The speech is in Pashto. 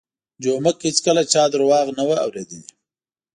جومک هېڅکله چا درواغ نه وو اورېدلي.